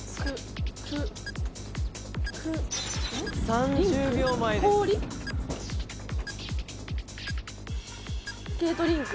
３０秒前ですスケートリンク？